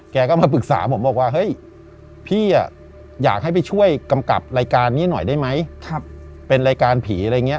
แกก็มาปรึกษาผมบอกว่าเฮ้ยพี่อยากให้ไปช่วยกำกับรายการนี้หน่อยได้ไหมเป็นรายการผีอะไรอย่างนี้